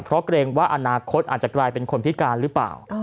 เพราะเกรงว่าอนาคตอาจจะกลายเป็นคนพิการหรือเปล่า